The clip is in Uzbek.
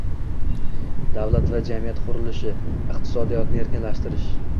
Davlat va jamiyat qurilishi, iqtisodiyotni erkinlashtirish